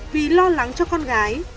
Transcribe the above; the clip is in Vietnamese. vì lo lắng cho con gái